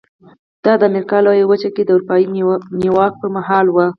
دا د امریکا لویه وچه کې د اروپایي نیواک پر مهال و.